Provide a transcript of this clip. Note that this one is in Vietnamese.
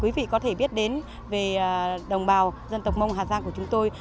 quý vị có thể biết đến về đồng bào dân tộc mông hà giang của chúng tôi